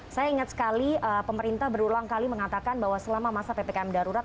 saya ingat sekali pemerintah berulang kali mengatakan bahwa selama masa ppkm darurat